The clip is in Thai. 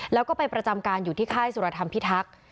แล้วก็ไปประจำการอยู่ที่ค่ายสุรธรรมพิทักษ์